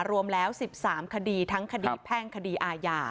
รวมแล้ว๑๓คดีทั้งคดีแพ่งคดีอาญา